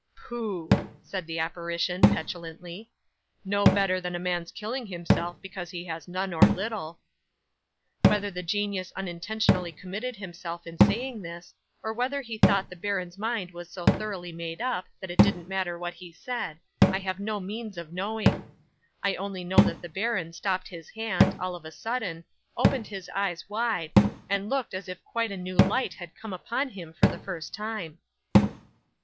'"Pooh!" said the apparition, petulantly, "no better than a man's killing himself because he has none or little." 'Whether the genius unintentionally committed himself in saying this, or whether he thought the baron's mind was so thoroughly made up that it didn't matter what he said, I have no means of knowing. I only know that the baron stopped his hand, all of a sudden, opened his eyes wide, and looked as if quite a new light had come upon him for the first time.